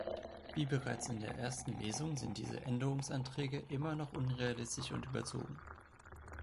Wie bereits in der ersten Lesung sind diese Änderungsanträge immer noch unrealistisch und überzogen.